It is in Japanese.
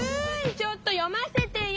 ちょっと読ませてよ！